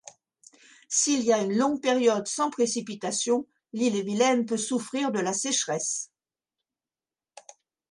S’il y a une longue période sans précipitations, l'Ille-et-Vilaine peut souffrir de la sécheresse.